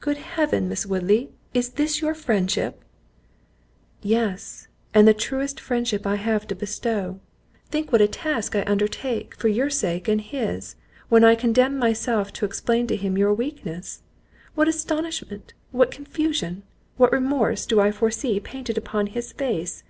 "Good Heaven, Miss Woodley! is this your friendship?" "Yes—and the truest friendship I have to bestow. Think what a task I undertake for your sake and his, when I condemn myself to explain to him your weakness. What astonishment! what confusion! what remorse, do I foresee painted upon his face!